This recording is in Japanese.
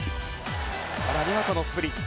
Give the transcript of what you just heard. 更にはスプリット。